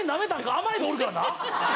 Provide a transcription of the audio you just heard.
甘エビおるからな。